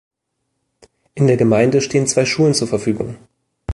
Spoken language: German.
In der Gemeinde stehen zwei Schulen zur Verfügung.